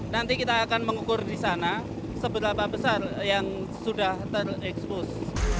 nanti kita akan mengukur di sana seberapa besar yang sudah terekspos